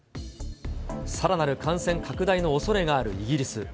さらなる感染拡大のおそれがあるイギリス。